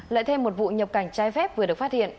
lại thêm một vụ nhập cảnh trái phép vừa được phát hiện